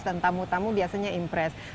dan tamu tamu biasanya impress